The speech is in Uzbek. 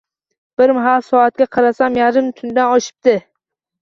Bir mahal soatga qarasam, yarim tundan oshibdi